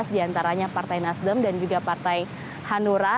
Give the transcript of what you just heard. di antaranya partai nasdem dan juga partai hanura